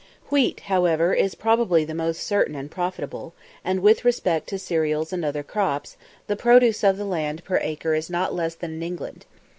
Wheat, however, is probably the most certain and profitable, and, with respect to cereals and other crops, the produce of the land per acre is not less than in England.